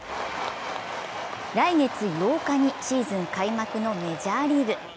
来月８日にシーズン開幕のメジャーリーグ。